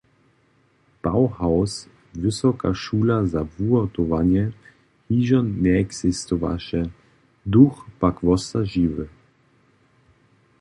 "Bauhaus – Wysoka šula za wuhotowanje" hižo njeeksistowaše, duch pak wosta žiwy.